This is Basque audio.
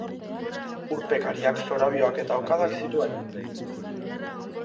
Urpekariak zorabioak eta okadak zituen.